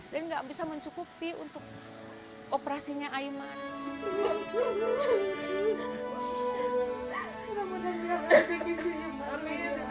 dan gak bisa mencukupi untuk operasinya aymar